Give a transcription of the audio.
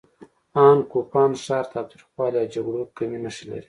ان کوپان ښار تاوتریخوالي او جګړو کمې نښې لري.